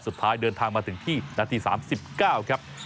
สุดท้ายเดินทางมาถึงที่นาที๓๙ครับ